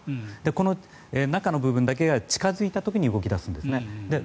この中の部分だけが近付いた時に動き出すんですね。